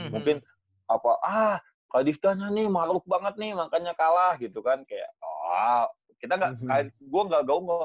mungkin kadivtanya nih makhluk banget nih mangana kalah gitu kan kayak goa bener bener